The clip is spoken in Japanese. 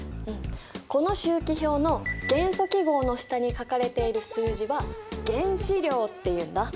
この周期表の元素記号の下に書かれている数字は原子量っていうんだ。